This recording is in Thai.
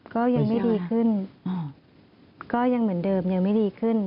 ก็ยังไม่ดีขึ้นก็ยังเหมือนเดิมยังไม่ดีขึ้น